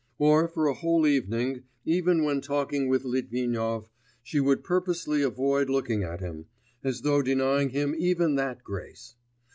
Or for a whole evening, even when talking with Litvinov, she would purposely avoid looking at him, as though denying him even that grace.